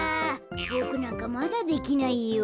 ボクなんかまだできないよ。